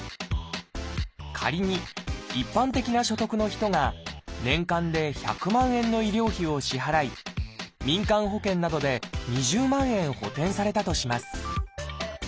仮に一般的な所得の人が年間で１００万円の医療費を支払い民間保険などで２０万円補てんされたとします。